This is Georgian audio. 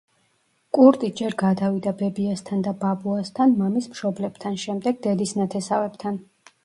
კურტი ჯერ გადავიდა ბებიასთან და ბაბუასთან, მამის მშობლებთან, შემდეგ დედის ნათესავებთან.